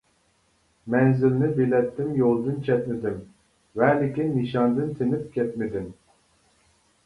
مەنزىلنى بىلەتتىم يولدىن چەتنىدىم، ۋەلىكىن نىشاندىن تىنىپ كەتمىدىم.